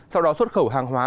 sau đó xuất khẩu hàng hóa